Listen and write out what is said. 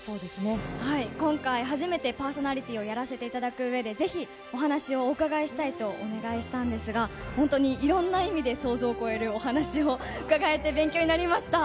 今回、初めてパーソナリティーをやらせていただくうえで、ぜひお話をお伺いしたいとお願いしたいんですが、本当にいろんな意味で想像を超えるお話を伺えて、勉強になりました。